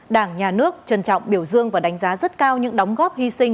đảng nhà nước trân trọng biểu dương và đánh giá rất cao những đóng góp hy sinh